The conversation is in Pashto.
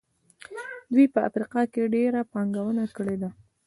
دوی په افریقا کې ډېره پانګونه کړې ده.